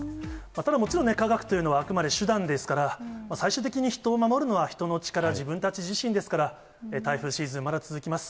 ただ、もちろんね、科学というのはあくまで手段ですから、最終的に人を守るのは、人の力、自分たち自身ですから、台風シーズン、まだ続きます。